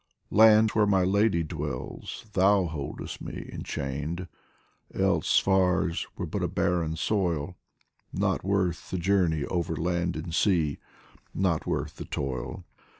Land where my Lady dwells, thou holdest me Enchained ; else Fars were but a barren soil, Not worth the journey over land and sea, Not worth the toil